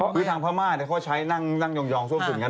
คือทางพม่าใช้นั่งยองซ่อมสุดเหมือนกัน